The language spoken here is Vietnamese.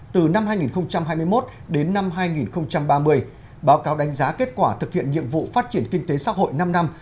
từ năm hai nghìn hai mươi một đến năm hai nghìn ba mươi báo cáo đánh giá kết quả thực hiện nhiệm vụ phát triển kinh tế xã hội năm năm